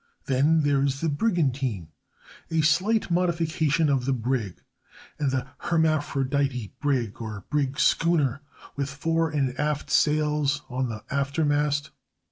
Then there is the brigantine, a slight modification of the brig, and the hermaphrodite brig, or brig schooner, with fore and aft sails on the after mast.